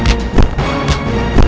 kami akan mencari raden pemalarasa